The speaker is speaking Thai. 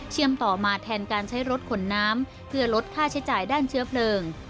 ต่อมาแทนการใช้รถขนน้ำเพื่อลดค่าใช้จ่ายด้านเชื้อเพลิง